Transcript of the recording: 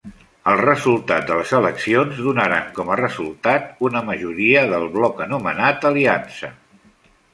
El resultat de les eleccions donaren com a resultat una majoria del bloc anomenat Aliança.